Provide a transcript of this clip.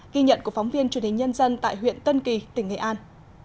ghi nhận của phóng viên truyền hình nhân dân tại huyện tân kỳ tỉnh nghệ an